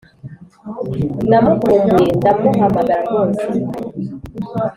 Namukumbuye ndamuhamagara rwose